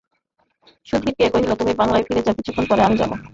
সুধীরকে কহিল, তুমি বাংলায় ফিরে যাও, কিছুক্ষণ পরে আমি যাব।